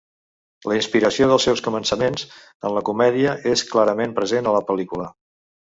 La inspiració dels seus començaments en la comèdia és clarament present a la pel·lícula.